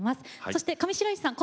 そして上白石萌音さん